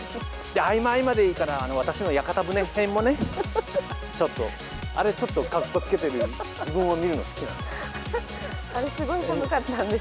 合間合間でいいから、私の屋形船篇もね、ちょっと、あれちょっとかっこつけてる自分も、見るの好きなんです。